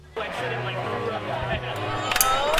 دنده باید د عبادت په نیت ترسره سي.